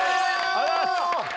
ありがとうございます！